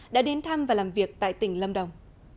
đã đến thăm và làm việc tại tỉnh lâm đồng